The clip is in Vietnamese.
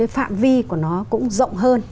phạm vi của nó cũng rộng hơn